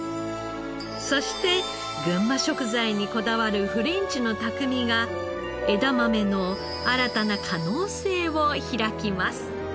そして群馬食材にこだわるフレンチの匠が枝豆の新たな可能性を開きます。